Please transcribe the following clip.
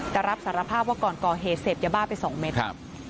แต่รับสารภาพว่าก่อนก่อเหตุเสร็จจะบ้าไปสองเมตรครับ